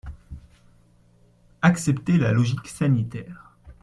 Acceptez la logique sanitaire.